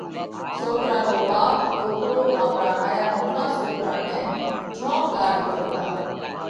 سوڪرا رو ٻاپ ڏوڪرو آپرا هايا نونا سوڪرا نئہ جوم لاڏ ڪرتا